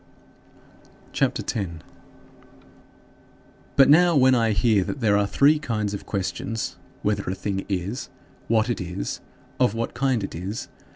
CHAPTER X 17. But now when I hear that there are three kinds of questions "Whether a thing is? What it is? Of what kind it is?"